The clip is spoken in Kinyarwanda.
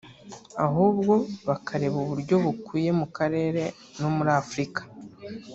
ahubwo bakareba uburyo bukwiye mu karere no muri Afurika